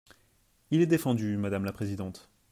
Il est défendu, madame la présidente.